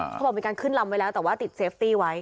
เขาบอกมีการขึ้นลำไว้แล้วแต่ว่าติดเซฟตี้ไว้